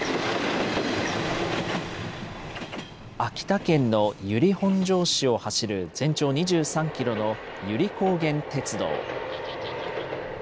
秋田県の由利本荘市を走る、全長２３キロの由利高原鉄道。